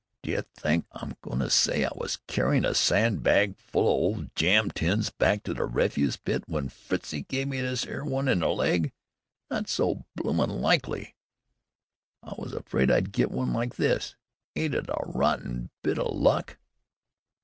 "Do you think I'm a go'n' to s'y I was a carryin' a sandbag full of old jam tins back to the refuse pit w'en Fritzie gave me this 'ere one in the leg? Not so bloomin' likely! I was afraid I'd get one like this! Ain't it a rotten bit o' luck!"